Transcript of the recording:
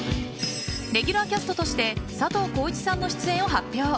レギュラーキャストとして佐藤浩市さんの出演を発表。